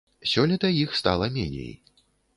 Сёлета іх стала меней.